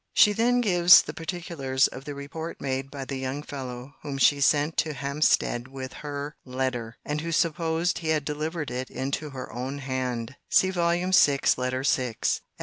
[She then gives the particulars of the report made by the young fellow whom she sent to Hampstead with her letter; and who supposed he had delivered it into her own hand;* and then proceeds:] * See Vol.